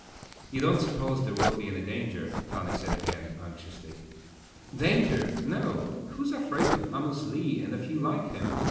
"You don't suppose there will be any danger?" Fanny said again, anxiously. "Danger no; who's afraid of Amos Lee and a few like him?"